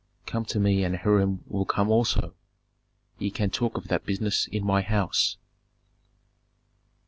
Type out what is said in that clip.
Come to me and Hiram will come also; ye can talk of that business in my house."